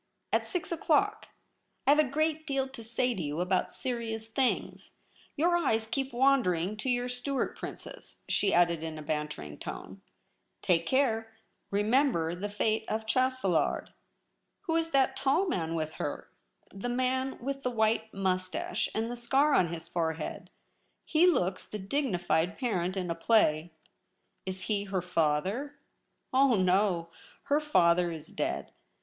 At six o'clock. I have a great deal to say to you about serious things. Your eyes keep wan dering to your Stuart Princess,' she added in a bantering tone. * Take care ; remember the fate of Chastelard. Who is that tall man with her — the man with the white moustache and the scar on his forehead ? He looks 7.V THE LOBBY. 25 the dignified parent in a play. Is he her father ?'' Oh no ! Her father is dead.